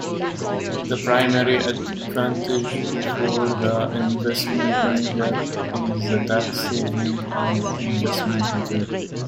The primary advantage for the investment manager is the tax savings on investment returns.